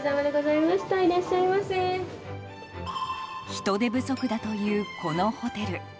人手不足だというこのホテル。